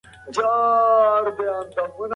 د افغانانو واکمني د ایران په خاوره کې ناکامه شوه.